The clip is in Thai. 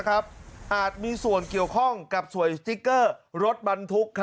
อาจะมีส่วนเกี่ยวข้องกับสวยสติ๊กว่ารถบันทุกข์